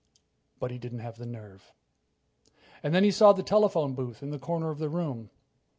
But he didn't have the nerve. And then he saw the telephone booth in the corner of the room.